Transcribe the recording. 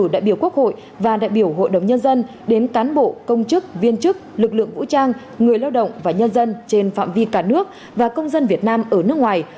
đại biểu quốc hội và đại biểu hội đồng nhân dân đến cán bộ công chức viên chức lực lượng vũ trang người lao động và nhân dân trên phạm vi cả nước và công dân việt nam ở nước ngoài